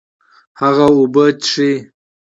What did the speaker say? هغه اوبه څښي